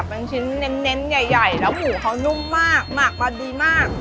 ชิ้นเน้นใหญ่แล้วหมูเขานุ่มมากหมักมาดีมาก